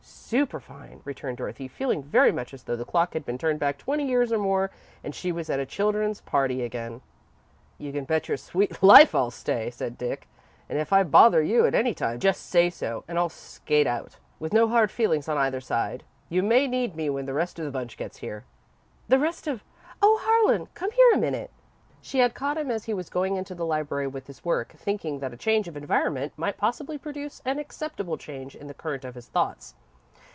"Superfine," returned Dorothy, feeling very much as though the clock had been turned back twenty years or more and she was at a children's party again. "You can bet your sweet life I'll stay," said Dick, "and if I bother you at any time, just say so and I'll skate out, with no hard feelings on either side. You may need me when the rest of the bunch gets here." "The rest of oh Harlan, come here a minute!" She had caught him as he was going into the library with his work, thinking that a change of environment might possibly produce an acceptable change in the current of his thoughts.